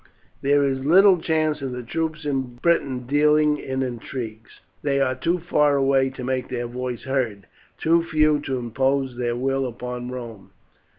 "There is little chance of the troops in Britain dealing in intrigues. They are too far away to make their voice heard, too few to impose their will upon Rome.